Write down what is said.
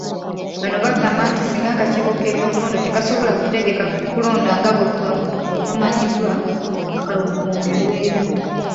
Bano bagamba nti singa Akakiiko k'ebyokulonda tekasobola kutegeka kulonda nga bwekumanyiddwa, akalulu kongerweyo.